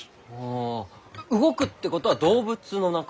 あ動くってことは動物の仲間？